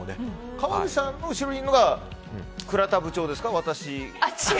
川口さんの後ろにいるのがクラタ部長ですか？